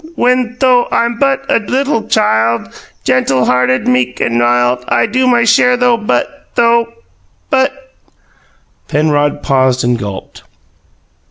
What though I'm BUT a littul child, Gentul heartud, meek, and mild, I do my share though but though but " Penrod paused and gulped.